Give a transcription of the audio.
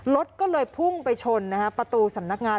รถก็เลยพุ่งไปชนประตูสำนักงาน